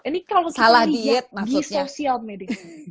ini kalau kita lihat di social media